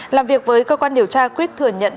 làm việc với cơ quan điều tra quyết thừa nhận